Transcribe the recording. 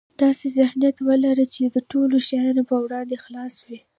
داسې ذهنيت ولره چې د ټولو شیانو په وړاندې خلاص وي.